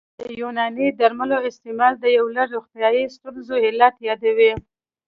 د یوناني درملو استعمال د یو لړ روغتیايي ستونزو علت یادوي